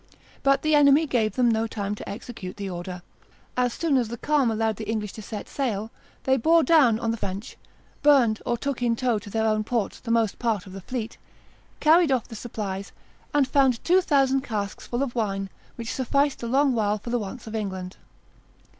But the enemy gave them no time to execute the order. As soon as the calm allowed the English to set sail, they bore down on the French, burned or took in tow to their own ports the most part of the fleet, carried off the supplies, and found two thousand casks full of wine, which sufficed a long while for the wants of England."